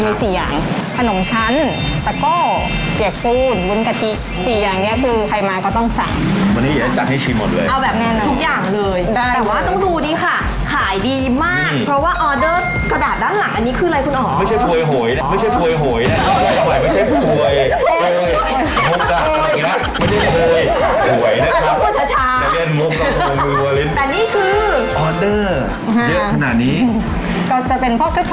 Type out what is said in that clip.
โอ้โหโอ้โหโอ้โหโอ้โหโอ้โหโอ้โหโอ้โหโอ้โหโอ้โหโอ้โหโอ้โหโอ้โหโอ้โหโอ้โหโอ้โหโอ้โหโอ้โหโอ้โหโอ้โหโอ้โหโอ้โหโอ้โหโอ้โหโอ้โหโอ้โหโอ้โหโอ้โหโอ้โหโอ้โหโอ้โหโอ้โหโอ้โหโอ้โหโอ้โหโอ้โหโอ้โหโอ้โห